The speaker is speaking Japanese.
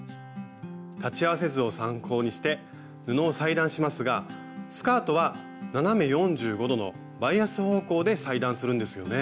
裁ち合わせ図を参考にして布を裁断しますがスカートは斜め４５度のバイアス方向で裁断するんですよね？